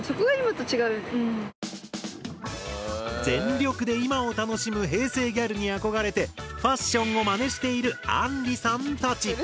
全力で今を楽しむ平成ギャルに憧れてファッションをまねしているあんりさんたち。